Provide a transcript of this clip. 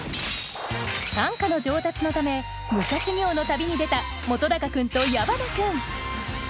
短歌の上達のため武者修行の旅に出た本君と矢花君